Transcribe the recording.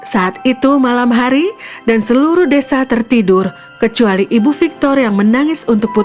saat itu malam hari dan seluruh desa tertidur kecuali ibu victor yang menangis untuk putri